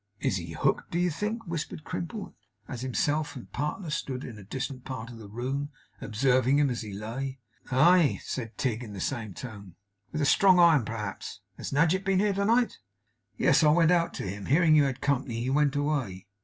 'Is he hooked, do you think?' whispered Crimple, as himself and partner stood in a distant part of the room observing him as he lay. 'Aye!' said Tigg, in the same tone. 'With a strong iron, perhaps. Has Nadgett been here to night?' 'Yes. I went out to him. Hearing you had company, he went away.